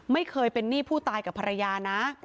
ไม่เคยเป็นหนี้ผู้ตายกับภรรยานะ